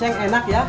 kang acek enak ya